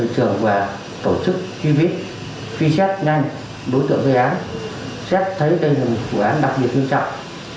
đi vào phòng giao dịch việt com banh khi đến quầy giao dịch việt com banh đối tượng cầm một vật màu đen dạng súng ngắn đe dọa bảo vệ nhân viên ngân hàng